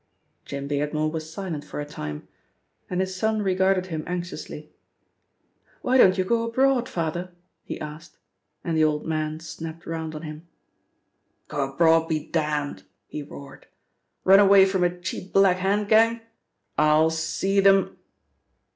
Jim Beardmore was silent for a time, and his son regarded him anxiously. "Why don't you go abroad, father?" he asked, and the old man snapped round on him. "Go abroad be damned!" he roared. "Run away from a cheap Black Hand gang? I'll see them